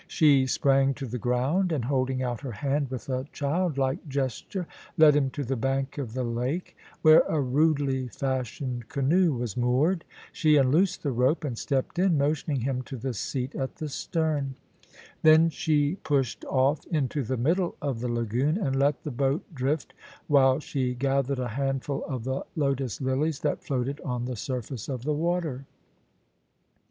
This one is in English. She sprang to the ground, and holding out her hand with a childlike gesture, led him to the bank of the lake, where a rudely fashioned canoe was moored. She unloosed the rope and stepped in, motioning him to the seat at the stem. Then she pushed off" into the middle of the lagoon, and let the boat drift while she gathered a handful of the lotus lilies that floated on the surface of the water.